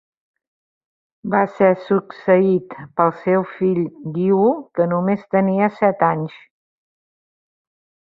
Va ser succeït pel seu fill Guiu, que només tenia set anys.